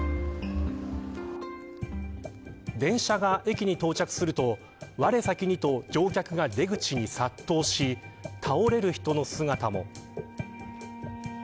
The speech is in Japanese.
電車が駅に到着すると我先にと乗客が出口に殺到し倒れる人の姿も。